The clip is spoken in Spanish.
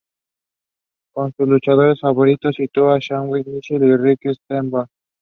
Como sus luchadores favoritos, citó a Shawn Michaels y Ricky Steamboat.